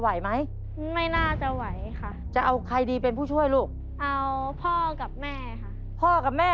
ใส่ใหม่สู้นะ